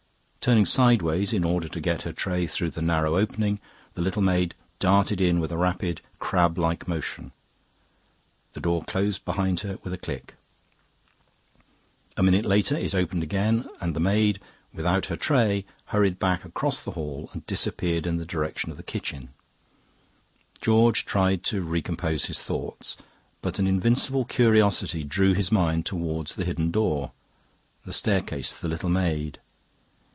Turning sideways in order to get her tray through the narrow opening, the little maid darted in with a rapid crab like motion. The door closed behind her with a click. A minute later it opened again and the maid, without her tray, hurried back across the hall and disappeared in the direction of the kitchen. George tried to recompose his thoughts, but an invincible curiosity drew his mind towards the hidden door, the staircase, the little maid.